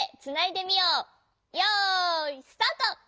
よいスタート！